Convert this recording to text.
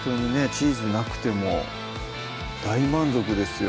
チーズなくても大満足ですよ